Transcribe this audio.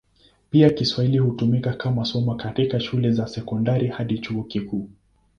Pia Kiswahili hutumika kama somo katika shule za sekondari hadi chuo kikuu.